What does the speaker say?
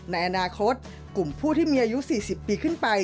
ในอนาคตกลุ่มผู้ที่มีอายุ๔๐ปีขึ้นไป